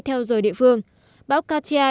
theo dời địa phương bão cartier